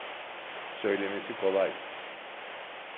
Söylemesi kolay.